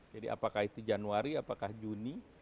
jadi apakah itu januari apakah juni